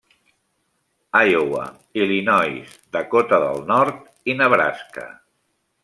Iowa, Illinois, Dakota del Nord i Nebraska.